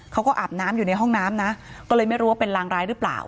เขาก็อาบน้ำอยู่ในห้องน้ำนะก็เลยไม่รู้ว่าเป็นรางร้ายหรือเปล่า